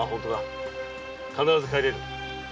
必ず帰れる。